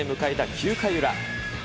９回裏。